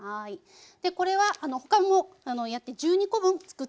これは他もやって１２コ分作ってください。